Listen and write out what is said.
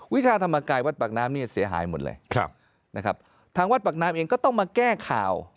วิชาธรรมกายวัดปากน้ำเนี่ยเสียหายหมดเลยนะครับทางวัดปากน้ำเองก็ต้องมาแก้ข่าว